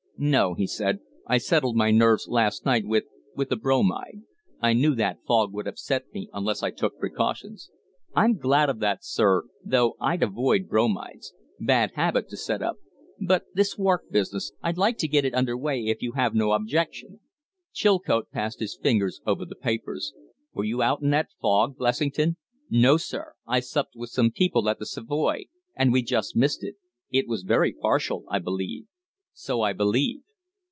"No," he said. "I settled my nerves last night with with a bromide. I knew that fog would upset me unless I took precautions." "I'm glad of that, sir though I'd avoid bromides. Bad habit to set up. But this Wark business I'd like to get it under way, if you have no objection." Chilcote passed his fingers over the papers. "Were you out in that fog last night, Blessington?" "No, sir. I supped with some people at the Savoy, and we just missed it. It was very partial, I believe." "So I believe."